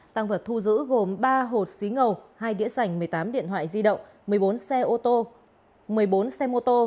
tăng vật thu giữ gồm ba hột xí ngầu hai đĩa sảnh một mươi tám điện thoại di động một mươi bốn xe mô tô